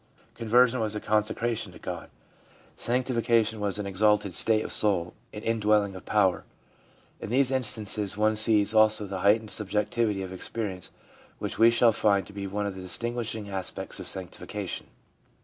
' Conversion was a consecration to God ; sanctification was an exalted state of soul, an indwelling of power.' In these instances one sees also the heightened subjectivity of experience which we shall find to be one of the distinguishing aspects of sanctification.